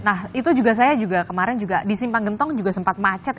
nah itu juga saya juga kemarin disimpan gentong juga sempat macet